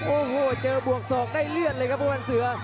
โอ้โหเจอบวกสอกได้เลือดเลยครับผู้พันธ์เสือ